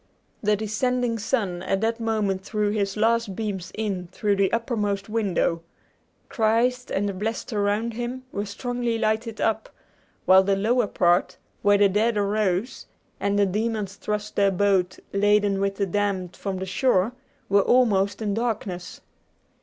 The descending sun at that moment threw his last beams in through the uppermost window. Christ, and the blessed around him, were strongly lighted up; while the lower part, where the dead arose, and the demons thrust their boat laden with the damned from the shore, were almost in darkness.